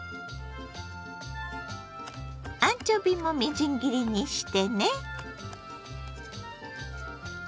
アンチョビもみじん切りにしてね。